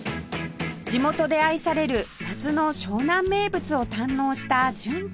地元で愛される夏の湘南名物を堪能した純ちゃん